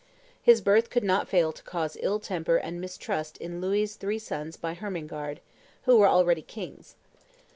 His birth could not fail to cause ill temper and mistrust in Louis's three sons by Hermengarde, who were already kings.